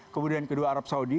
kemudian kedua arab saudi